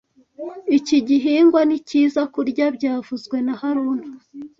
Iki gihingwa ni cyiza kurya byavuzwe na haruna